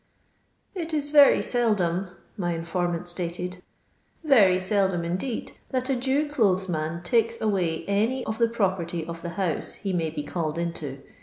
"It is very seldom," my informant stated, " very seldom indeed, that a Jew clothes man takes away any of the property of the house he may be oUled into.